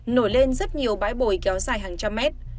nổi lên rất nhiều bãi bồi kéo dài hàng trăm mét